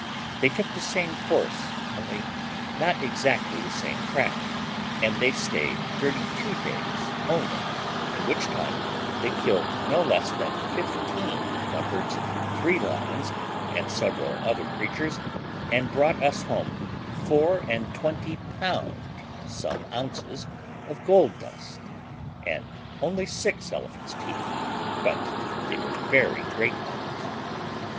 They took the same course, only not exactly the same track, and they stayed thirty two days only, in which time they killed no less than fifteen leopards, three lions, and several other creatures, and brought us home four and twenty pound some ounces of gold dust, and only six elephants' teeth, but they were very great ones.